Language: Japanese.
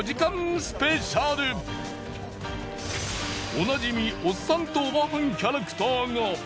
おなじみおっさんとおばはんキャラクターが。